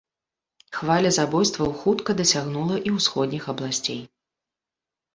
Хваля забойстваў хутка дасягнула і ўсходніх абласцей.